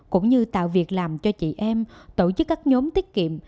cũng như tạo việc làm cho chị em tổ chức các nhóm tiết kiệm